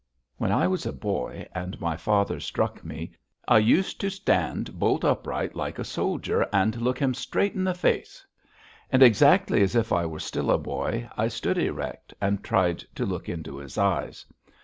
When I was a boy and my father struck me, I used to stand bolt upright like a soldier and look him straight in the face; and, exactly as if I were still a boy, I stood erect, and tried to look into his eyes.